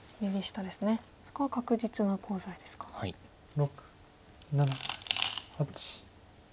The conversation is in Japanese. ６７８。